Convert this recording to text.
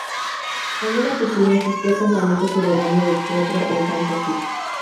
Cuando era pequeña asistía a campamentos de verano de teatro en Kansas City.